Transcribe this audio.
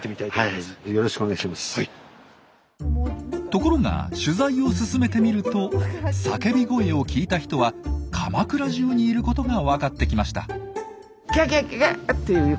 ところが取材を進めてみると叫び声を聞いた人は鎌倉じゅうにいることがわかってきました。